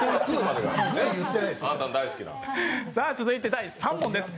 続いて第３問です。